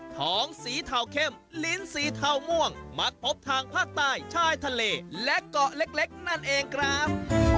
ของสีเทาเข้มลิ้นสีเทาม่วงมักพบทางภาคใต้ชายทะเลและเกาะเล็กนั่นเองครับ